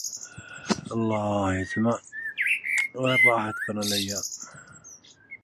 نزهة عندي كاسمها نزهه